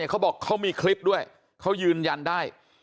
เขาบอกเขามีคลิปด้วยเขายืนยันได้